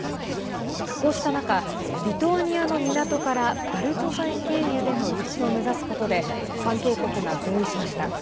こうした中、リトアニアの港からバルト海経由での輸出を目指すことで関係国が合意しました。